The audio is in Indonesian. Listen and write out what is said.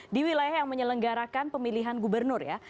di wilayah yang menyelenggarakan pemilihan gubernur ya